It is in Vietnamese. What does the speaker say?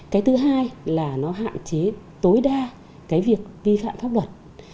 cái thứ hai là nó hạn chế tối đa cái việc vi phạm pháp luật